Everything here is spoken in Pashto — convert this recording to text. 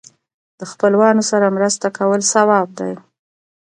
د خپلوانو سره مرسته کول ثواب دی.